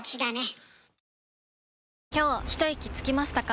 今日ひといきつきましたか？